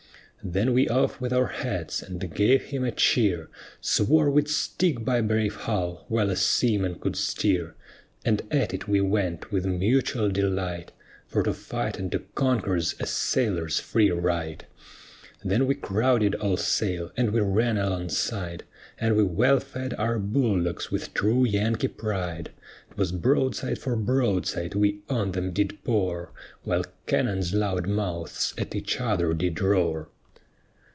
Then we off with our hats and gave him a cheer, Swore we'd stick by brave Hull, while a seaman could steer; And at it we went with mutual delight, For to fight and to conquer's a sailor's free right. Then we crowded all sail, and we ran alongside, And we wellfed our bull dogs with true Yankee pride. 'Twas broadside for broadside we on them did pour, While cannon's loud mouths at each other did roar.